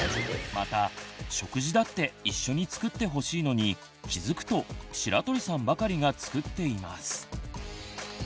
また食事だって一緒に作ってほしいのに気付くと白鳥さんばかりが作っています。